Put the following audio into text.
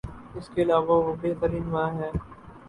اس کے علاوہ وہ بہترین ماں ہیں